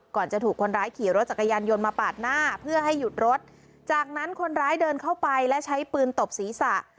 ก่อนจะถูกคนร้ายขี่รถจักรยานยนต์มาปาดหน้าเพื่อให้หยุดรถจากนั้นคนร้ายเดินเข้าไปและใช้ปืนตบศีรษะ